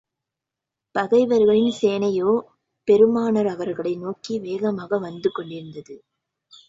பகைவர்களின் சேனையோ, பெருமானார் அவர்களை நோக்கி வேகமாக வந்து கொண்டிருந்தது.